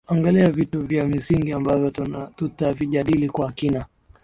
angalia vitu vya msingi ambavyo tutavijadili kwa kina